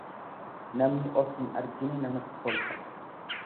Namni of hin argine namatti kolfa.